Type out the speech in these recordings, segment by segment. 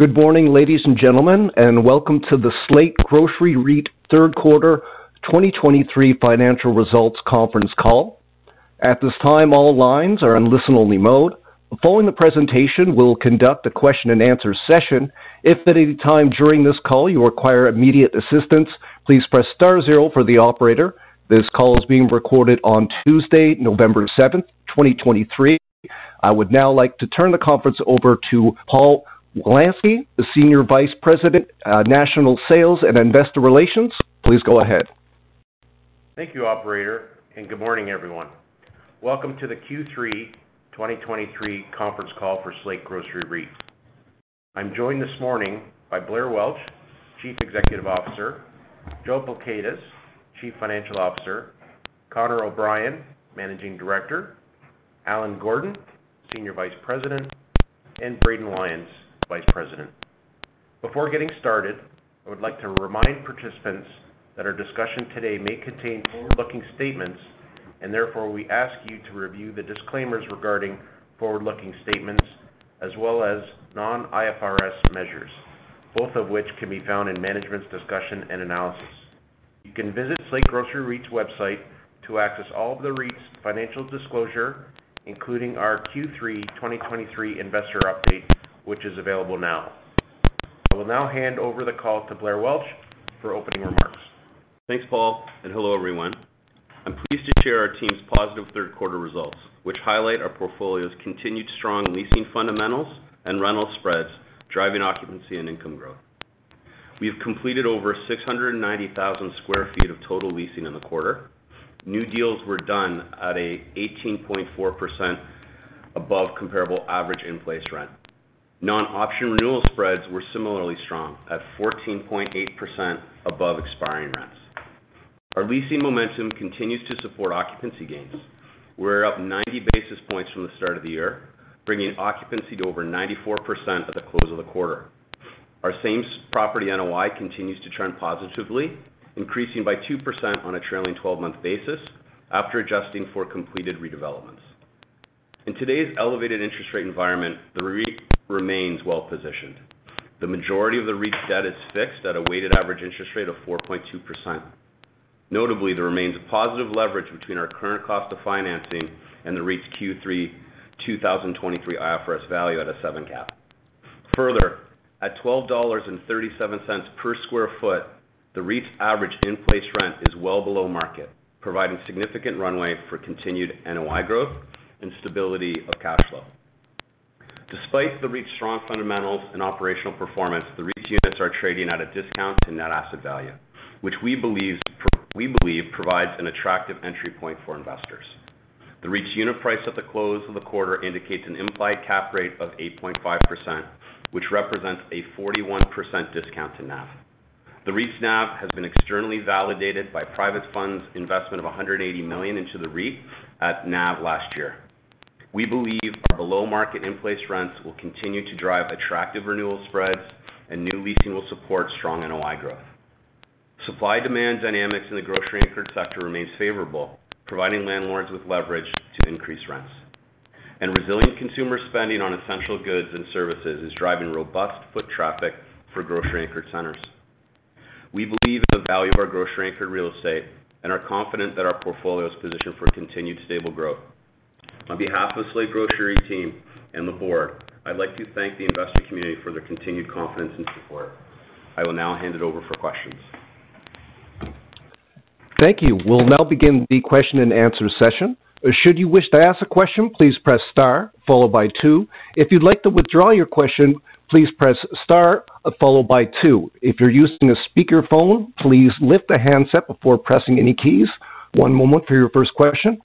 Good morning, ladies and gentlemen, and welcome to the Slate Grocery REIT Third Quarter 2023 Financial Results Conference Call. At this time, all lines are in listen-only mode. Following the presentation, we'll conduct a question-and-answer session. If at any time during this call you require immediate assistance, please press star zero for the operator. This call is being recorded on Tuesday, November 7th, 2023. I would now like to turn the conference over to Paul Wolanski, the Senior Vice President of National Sales and Investor Relations. Please go ahead. Thank you, operator, and good morning, everyone. Welcome to the Q3 2023 conference call for Slate Grocery REIT. I'm joined this morning by Blair Welch, Chief Executive Officer; Joe Pleckaitis, Chief Financial Officer; Connor O'Brien, Managing Director; Allen Gordon, Senior Vice President; and Braden Lyons, Vice President. Before getting started, I would like to remind participants that our discussion today may contain forward-looking statements, and therefore, we ask you to review the disclaimers regarding forward-looking statements as well as non-IFRS measures, both of which can be found in management's discussion and analysis. You can visit Slate Grocery REIT's website to access all of the REIT's financial disclosure, including our Q3 2023 investor update, which is available now. I will now hand over the call to Blair Welch for opening remarks. Thanks, Paul, and hello, everyone. I'm pleased to share our team's positive third quarter results, which highlight our portfolio's continued strong leasing fundamentals and rental spreads, driving occupancy and income growth. We have completed over 690,000 sq ft of total leasing in the quarter. New deals were done at a 18.4% above comparable average in-place rent. Non-option renewal spreads were similarly strong at 14.8% above expiring rents. Our leasing momentum continues to support occupancy gains. We're up 90 basis points from the start of the year, bringing occupancy to over 94% at the close of the quarter. Our same property NOI continues to trend positively, increasing by 2% on a trailing 12-month basis after adjusting for completed redevelopments. In today's elevated interest rate environment, the REIT remains well positioned. The majority of the REIT's debt is fixed at a weighted average interest rate of 4.2%. Notably, there remains a positive leverage between our current cost of financing and the REIT's Q3 2023 IFRS value at a 7 cap. Further, at $12.37 per sq ft, the REIT's average in-place rent is well below market, providing significant runway for continued NOI growth and stability of cash flow. Despite the REIT's strong fundamentals and operational performance, the REIT's units are trading at a discount to net asset value, which we believe, we believe provides an attractive entry point for investors. The REIT's unit price at the close of the quarter indicates an implied cap rate of 8.5%, which represents a 41% discount to NAV. The REIT's NAV has been externally validated by private funds investment of $180 million into the REIT at NAV last year. We believe our below-market in-place rents will continue to drive attractive renewal spreads, and new leasing will support strong NOI growth. Supply-demand dynamics in the grocery-anchored sector remains favorable, providing landlords with leverage to increase rents. Resilient consumer spending on essential goods and services is driving robust foot traffic for grocery-anchored centers. We believe in the value of our grocery-anchored real estate and are confident that our portfolio is positioned for continued stable growth. On behalf of the Slate Grocery team and the board, I'd like to thank the investor community for their continued confidence and support. I will now hand it over for questions. Thank you. We'll now begin the question-and-answer session. Should you wish to ask a question, please press star, followed by two. If you'd like to withdraw your question, please press star, followed by two. If you're using a speakerphone, please lift the handset before pressing any keys. One moment for your first question.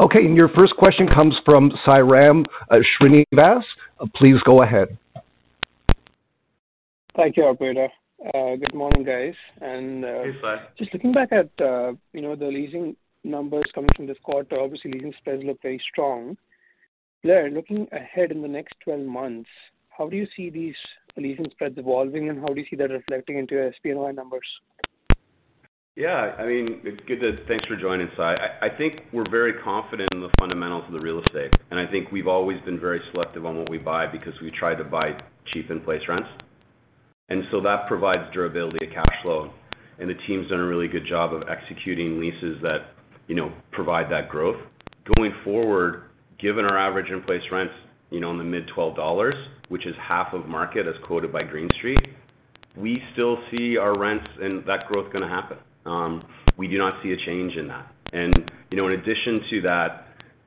Okay, and your first question comes from Sairam Srinivas. Please go ahead. Thank you, operator. Good morning, guys, and, Hey, Sai. Just looking back at, you know, the leasing numbers coming from this quarter, obviously, leasing spreads look very strong. Blair, looking ahead in the next 12 months, how do you see these leasing spreads evolving, and how do you see that reflecting into your SP NOI numbers? Yeah, I mean, thanks for joining, Sai. I think we're very confident in the fundamentals of the real estate, and I think we've always been very selective on what we buy because we try to buy cheap in-place rents. And so that provides durability to cash flow, and the team's done a really good job of executing leases that, you know, provide that growth. Going forward, given our average in-place rents, you know, in the mid-$12, which is half of market, as quoted by Green Street, we still see our rents and that growth gonna happen. We do not see a change in that. You know, in addition to that,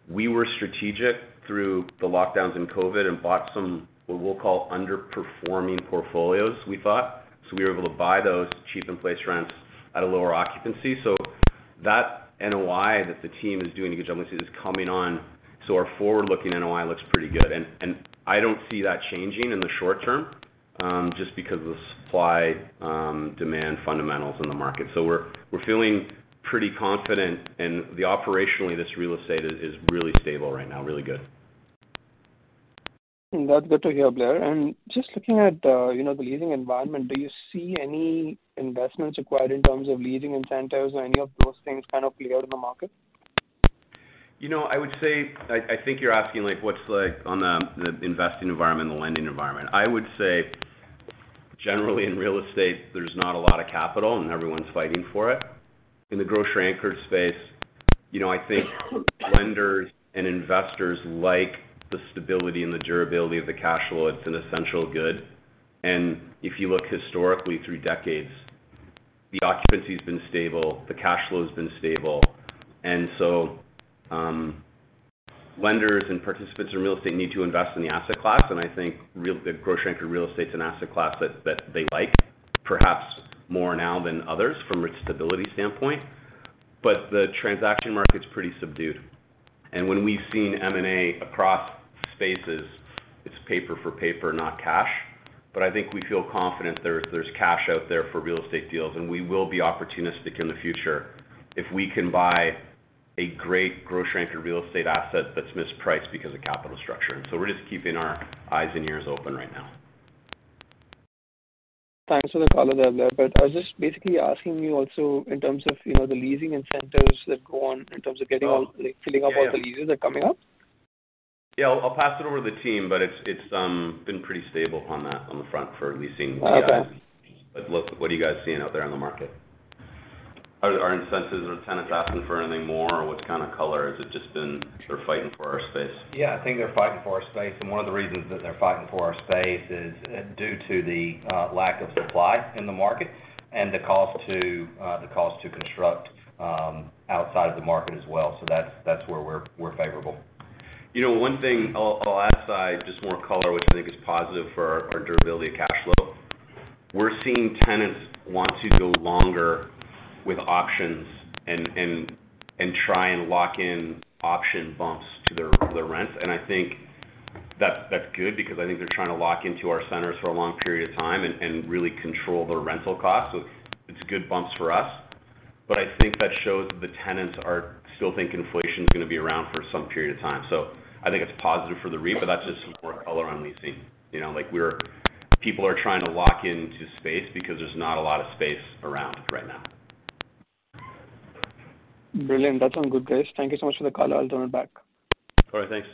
we were strategic through the lockdowns in COVID and bought some, what we'll call, underperforming portfolios, we thought. So we were able to buy those cheap in-place rents at a lower occupancy. So that NOI that the team is doing a good job with, is coming on, so our forward-looking NOI looks pretty good. And, and I don't see that changing in the short term, just because of the supply demand fundamentals in the market. So we're, we're feeling pretty confident, and the operationally, this real estate is, is really stable right now, really good. That's good to hear, Blair. And just looking at, you know, the leasing environment, do you see any investments required in terms of leasing incentives or any of those things kind of play out in the market?... You know, I would say, I think you're asking, like, what's on the investing environment and the lending environment. I would say, generally, in real estate, there's not a lot of capital, and everyone's fighting for it. In the grocery-anchored space, you know, I think lenders and investors like the stability and the durability of the cash flow. It's an essential good. And if you look historically through decades, the occupancy's been stable, the cash flow has been stable. And so, lenders and participants in real estate need to invest in the asset class, and I think the grocery-anchored real estate is an asset class that they like, perhaps more now than others from a stability standpoint. But the transaction market's pretty subdued. And when we've seen M&A across spaces, it's paper for paper, not cash. But I think we feel confident there's cash out there for real estate deals, and we will be opportunistic in the future if we can buy a great grocery-anchored real estate asset that's mispriced because of capital structure. So we're just keeping our eyes and ears open right now. Thanks for the call there, Blair. But I was just basically asking you also in terms of, you know, the leasing incentives that go on in terms of getting all, like, filling up all the leases that are coming up. Yeah, I'll pass it over to the team, but it's been pretty stable on that, on the front for leasing. Okay. But look, what are you guys seeing out there on the market? Are incentives, are tenants asking for anything more? Or what kind of color has it just been? They're fighting for our space. Yeah, I think they're fighting for our space, and one of the reasons that they're fighting for our space is due to the lack of supply in the market and the cost to construct outside of the market as well. So that's where we're favorable. You know, one thing I'll add aside, just more color, which I think is positive for our durability of cash flow. We're seeing tenants want to go longer with options and try and lock in option bumps to their rents. And I think that's good because I think they're trying to lock into our centers for a long period of time and really control their rental costs. So it's good bumps for us. But I think that shows that the tenants are still think inflation is going to be around for some period of time. So I think it's positive for the REIT, but that's just more color on leasing. You know, like people are trying to lock into space because there's not a lot of space around right now. Brilliant. That sounds good, guys. Thank you so much for the call. I'll turn it back. All right, thanks.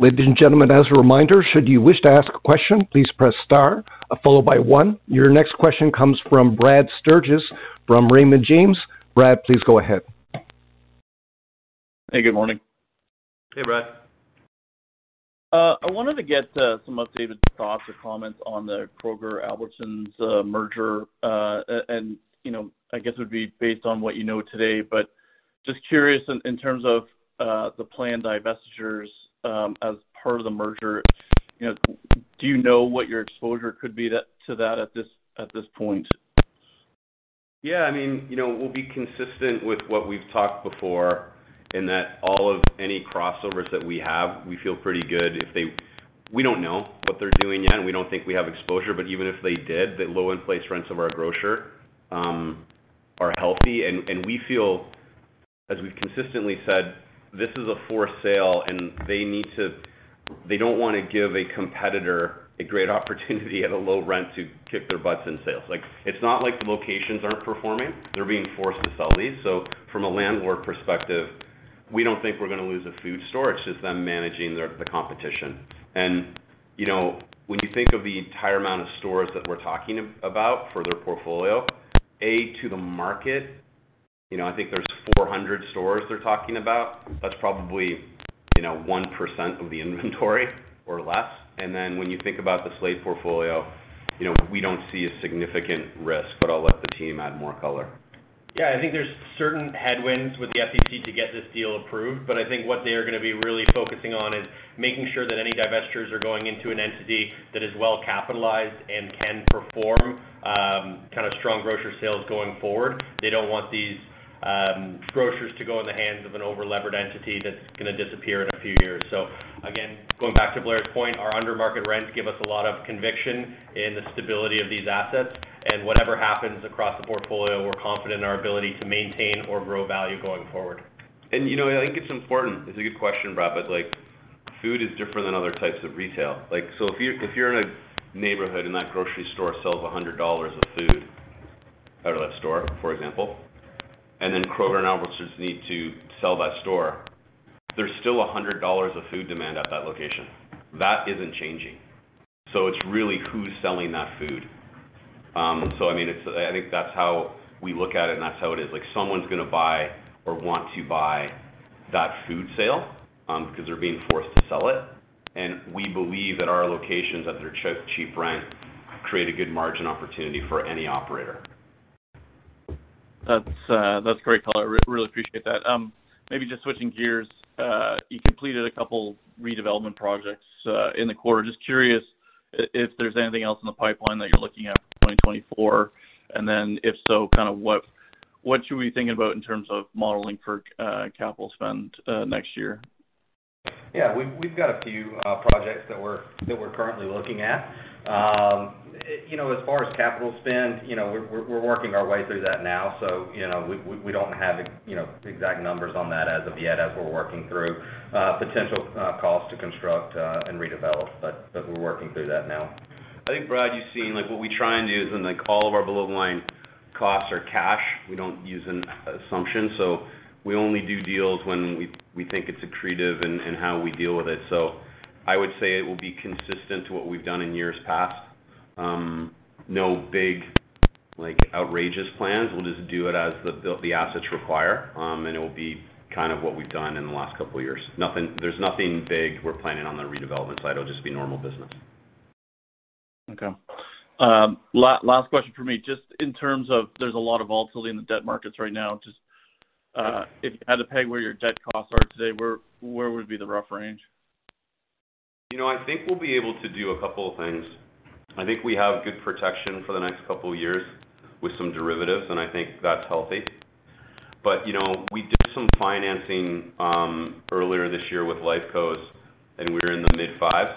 Ladies and gentlemen, as a reminder, should you wish to ask a question, please press star followed by one. Your next question comes from Brad Sturges from Raymond James. Brad, please go ahead. Hey, good morning. Hey, Brad. I wanted to get some updated thoughts or comments on the Kroger, Albertsons merger. You know, I guess it would be based on what you know today, but just curious in terms of the planned divestitures as part of the merger. You know, do you know what your exposure could be to that at this point? Yeah, I mean, you know, we'll be consistent with what we've talked before, in that all of any crossovers that we have, we feel pretty good if they, we don't know what they're doing yet, and we don't think we have exposure. But even if they did, the low in-place rents of our grocer are healthy. And we feel, as we've consistently said, this is a forced sale, and they need to, they don't want to give a competitor a great opportunity at a low rent to kick their butts in sales. Like, it's not like the locations aren't performing. They're being forced to sell these. So from a landlord perspective, we don't think we're going to lose a food store. It's just them managing their, the competition. You know, when you think of the entire amount of stores that we're talking about for their portfolio, to the market, you know, I think there's 400 stores they're talking about. That's probably, you know, 1% of the inventory or less. And then when you think about the Slate portfolio, you know, we don't see a significant risk, but I'll let the team add more color. Yeah, I think there's certain headwinds with the FTC to get this deal approved, but I think what they are going to be really focusing on is making sure that any divestitures are going into an entity that is well capitalized and can perform kind of strong grocery sales going forward. They don't want these grocers to go in the hands of an overlevered entity that's going to disappear in a few years. So again, going back to Blair's point, our under-market rents give us a lot of conviction in the stability of these assets. And whatever happens across the portfolio, we're confident in our ability to maintain or grow value going forward. You know, I think it's important. It's a good question, Brad, but like, food is different than other types of retail. Like, so if you're in a neighborhood and that grocery store sells $100 of food out of that store, for example, and then Kroger and Albertsons need to sell that store, there's still $100 of food demand at that location. That isn't changing. So it's really who's selling that food. So I mean, it's. I think that's how we look at it, and that's how it is. Like, someone's going to buy or want to buy that food sale, because they're being forced to sell it. And we believe that our locations at their cheap rent create a good margin opportunity for any operator. That's, that's great, Paul. I really appreciate that. Maybe just switching gears, you completed a couple of redevelopment projects in the quarter. Just curious if there's anything else in the pipeline that you're looking at for 2024, and then, if so, kind of what should we be thinking about in terms of modeling for capital spend next year? Yeah, we've, we've got a few projects that we're, that we're currently looking at. You know, as far as capital spend, you know, we're, we're working our way through that now. So, you know, we, we don't have, you know, the exact numbers on that as of yet, as we're working through potential costs to construct and redevelop, but, but we're working through that now. ... I think, Brad, you've seen, like, what we try and do is when, like, all of our below-the-line costs are cash, we don't use an assumption. So we only do deals when we think it's accretive in how we deal with it. So I would say it will be consistent to what we've done in years past. No big, like, outrageous plans. We'll just do it as the assets require, and it will be kind of what we've done in the last couple of years. Nothing. There's nothing big we're planning on the redevelopment side. It'll just be normal business. Okay. Last question for me. Just in terms of there's a lot of volatility in the debt markets right now, just, if you had to peg where your debt costs are today, where would be the rough range? You know, I think we'll be able to do a couple of things. I think we have good protection for the next couple of years with some derivatives, and I think that's healthy. But, you know, we did some financing earlier this year with LifeCo, and we're in the mid-5.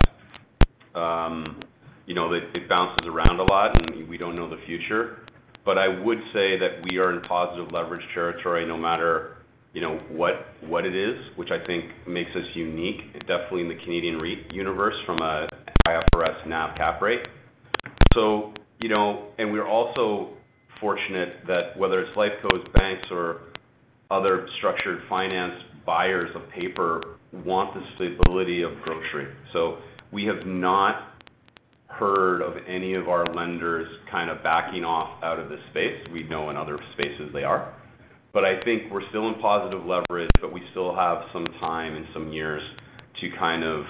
You know, it bounces around a lot, and we don't know the future. But I would say that we are in positive leverage territory no matter, you know, what it is, which I think makes us unique, definitely in the Canadian REIT universe from a IFRS NAV cap rate. So, you know, and we're also fortunate that whether it's LifeCo banks, or other structured finance buyers of paper want the stability of grocery. So we have not heard of any of our lenders kind of backing off out of this space. We know in other spaces they are. But I think we're still in positive leverage, but we still have some time and some years to kind of...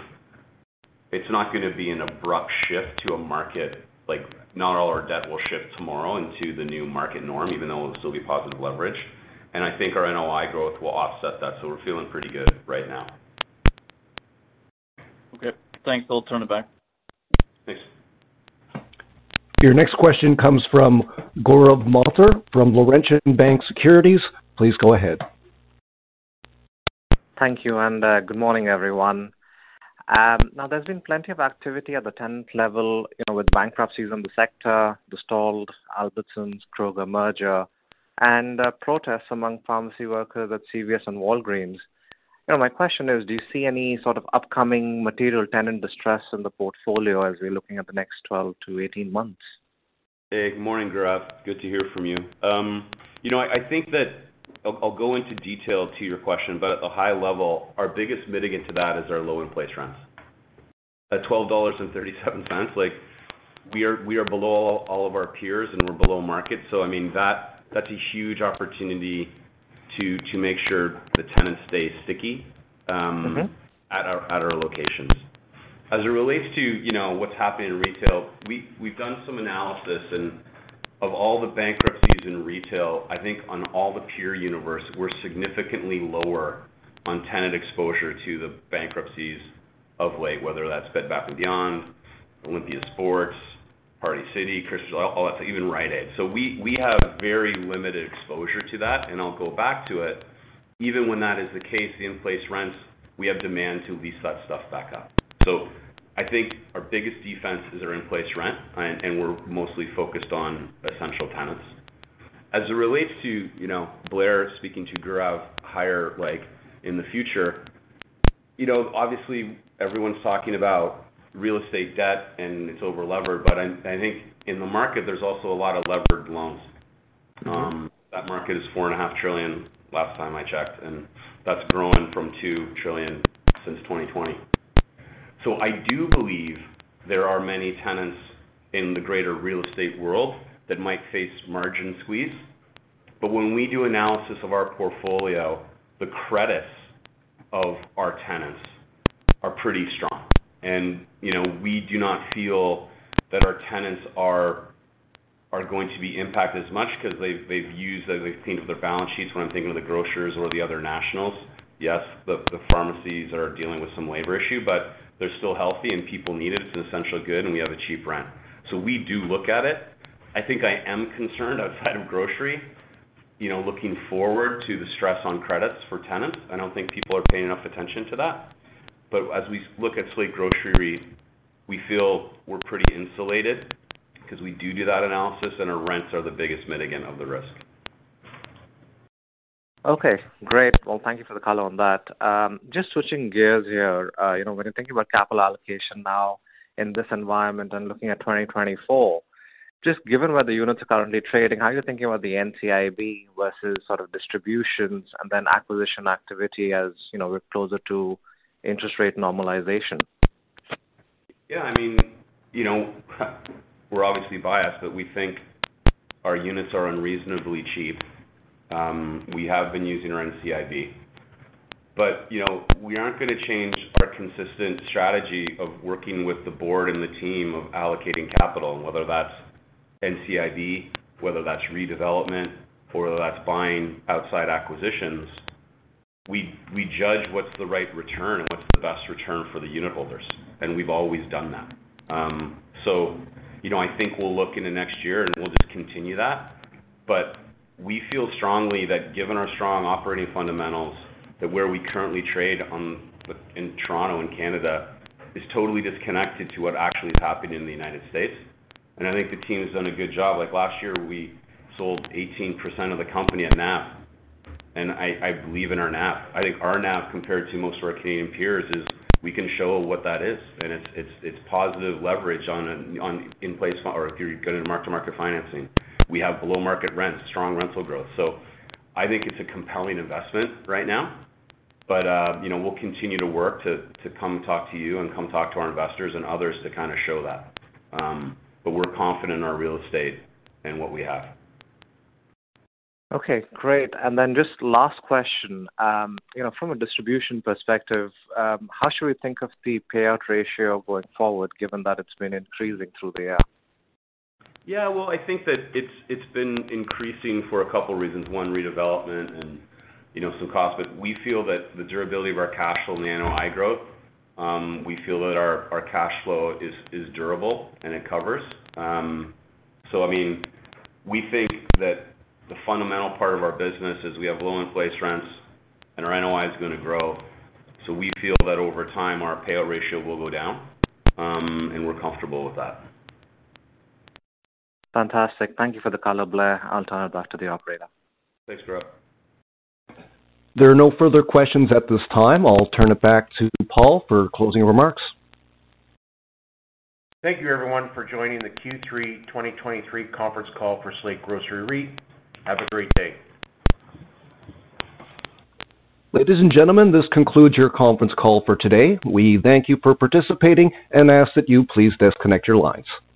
It's not gonna be an abrupt shift to a market. Like, not all our debt will shift tomorrow into the new market norm, even though it'll still be positive leverage. And I think our NOI growth will offset that, so we're feeling pretty good right now. Okay, thanks. I'll turn it back. Thanks. Your next question comes from Gaurav Mathur from Laurentian Bank Securities. Please go ahead. Thank you, and good morning, everyone. Now, there's been plenty of activity at the tenant level, you know, with bankruptcies in the sector, the stalled Albertsons-Kroger merger, and protests among pharmacy workers at CVS and Walgreens. You know, my question is, do you see any sort of upcoming material tenant distress in the portfolio as we're looking at the next 12-18 months? Hey, good morning, Gaurav. Good to hear from you. You know, I think that, I'll go into detail to your question, but at a high level, our biggest mitigant to that is our low in-place rents. At $12.37, like, we are below all of our peers, and we're below market. So I mean, that's a huge opportunity to make sure the tenants stay sticky. Mm-hmm. At our, at our locations. As it relates to, you know, what's happening in retail, we, we've done some analysis, and of all the bankruptcies in retail, I think on all the peer universe, we're significantly lower on tenant exposure to the bankruptcies of late, whether that's Bed Bath & Beyond, Olympia Sports, Party City, Crystal [inaudable] All that, even Rite Aid. So we, we have very limited exposure to that, and I'll go back to it. Even when that is the case, the in-place rents, we have demand to lease that stuff back up. So I think our biggest defense is our in-place rent, and, and we're mostly focused on essential tenants. As it relates to, you know, Blair, speaking to Gaurav, higher, like, in the future, you know, obviously, everyone's talking about real estate debt, and it's over-levered, but I think in the market, there's also a lot of leveraged loans. That market is $4.5 trillion, last time I checked, and that's grown from $2 trillion since 2020. So I do believe there are many tenants in the greater real estate world that might face margin squeeze. But when we do analysis of our portfolio, the credits of our tenants are pretty strong. And, you know, we do not feel that our tenants are going to be impacted as much because they've used as they've cleaned up their balance sheets, when I'm thinking of the grocers or the other nationals. Yes, the pharmacies are dealing with some labor issue, but they're still healthy and people need it. It's an essential good, and we have a cheap rent. So we do look at it. I think I am concerned outside of grocery, you know, looking forward to the stress on credits for tenants. I don't think people are paying enough attention to that. But as we look at Slate Grocery, we feel we're pretty insulated because we do do that analysis, and our rents are the biggest mitigant of the risk. Okay, great. Well, thank you for the color on that. Just switching gears here. You know, when you're thinking about capital allocation now in this environment and looking at 2024, just given where the units are currently trading, how are you thinking about the NCIB versus sort of distributions and then acquisition activity, as, you know, we're closer to interest rate normalization? Yeah, I mean, you know, we're obviously biased, but we think our units are unreasonably cheap. We have been using our NCIB, but, you know, we aren't gonna change our consistent strategy of working with the board and the team of allocating capital, whether that's NCIB, whether that's redevelopment, or whether that's buying outside acquisitions. We judge what's the right return and what's the best return for the unitholders, and we've always done that. So, you know, I think we'll look in the next year, and we'll just continue that. But we feel strongly that given our strong operating fundamentals, that where we currently trade on the in Toronto and Canada is totally disconnected to what actually is happening in the United States. I think the team has done a good job. Like, last year, we sold 18% of the company at NAV, and I believe in our NAV. I think our NAV, compared to most of our Canadian peers, is we can show what that is, and it's positive leverage on a on in-place, or if you're good in mark-to-market financing. We have below-market rents, strong rental growth. So I think it's a compelling investment right now, but you know, we'll continue to work to come talk to you and come talk to our investors and others to kind of show that. But we're confident in our real estate and what we have. Okay, great. And then just last question. You know, from a distribution perspective, how should we think of the payout ratio going forward, given that it's been increasing through the year? Yeah, well, I think that it's been increasing for a couple reasons. One, redevelopment and, you know, some costs, but we feel that the durability of our cash flow and the NOI growth, we feel that our cash flow is durable, and it covers. So I mean, we think that the fundamental part of our business is we have low in-place rents and our NOI is gonna grow. So we feel that over time, our payout ratio will go down, and we're comfortable with that. Fantastic. Thank you for the color, Blair. I'll turn it back to the operator. Thanks, Gaurav. There are no further questions at this time. I'll turn it back to Paul for closing remarks. Thank you, everyone, for joining the Q3 2023 conference call for Slate Grocery REIT. Have a great day. Ladies and gentlemen, this concludes your conference call for today. We thank you for participating and ask that you please disconnect your lines.